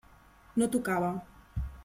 No tocava.